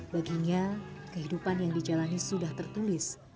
baginya kehidupan yang dijalani sudah tertulis